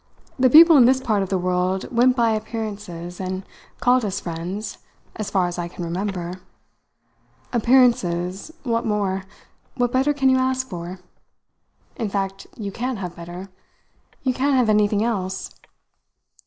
The people in this part of the world went by appearances, and called us friends, as far as I can remember. Appearances what more, what better can you ask for? In fact you can't have better. You can't have anything else."